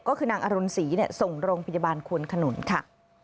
ก็คือนางอรุณศรีส่งโรงพยาบาลควนขนุนค่ะ